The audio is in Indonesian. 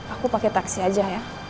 aku pakai taksi aja ya